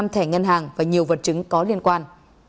năm thẻ ngân hàng và nhiều vật chứng có liên quan